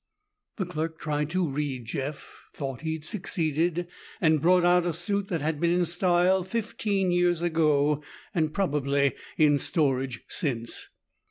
The clerk tried to read Jeff, thought he'd succeeded, and brought out a suit that had been in style fifteen years ago and probably in storage since.